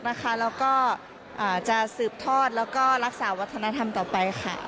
แล้วก็จะสืบทอดแล้วก็รักษาวัฒนธรรมต่อไปค่ะ